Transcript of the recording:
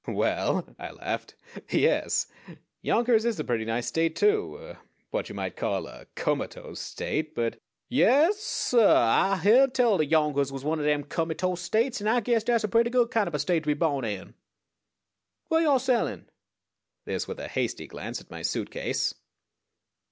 "Well," I laughed, "yes Yonkers is a pretty nice State too what you might call a Comatose State; but " "Yaas, suh Ah've heern tell dat Yonkers was one o' dem cummytoe States, an' Ah guess dat's a pretty good kind ob a State to be bohn in. What yo' sellin'?" This with a hasty glance at my suitcase.